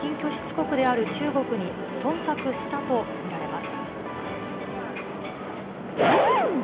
国である中国にそんたくしたと見られます。